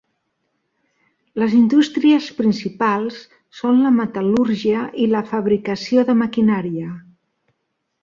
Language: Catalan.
Les indústries principals són la metal·lúrgia i la fabricació de maquinària.